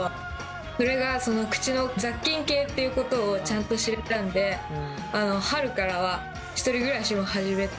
それが口の雑菌系ってことをちゃんと知れたんであの春からは１人暮らしを始めて。